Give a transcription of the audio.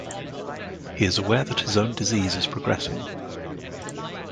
He is aware that his own disease is progressing.